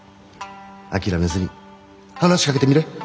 諦めずに話しかけてみれ。